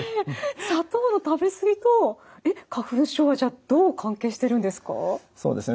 砂糖の食べ過ぎと花粉症はじゃあどう関係してるんですか？